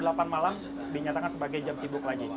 jam delapan malam dinyatakan sebagai jam sibuk lagi